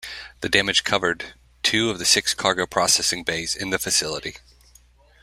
The damage covered two of the six cargo processing bays in the facility.